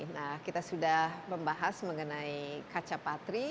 nah kita sudah membahas mengenai kaca patri